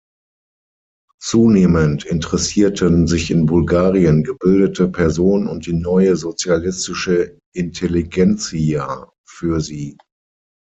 Zunehmend interessierten sich in Bulgarien gebildete Personen und die neue sozialistische Intelligenzija für sie.